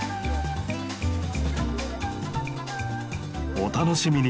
お楽しみに。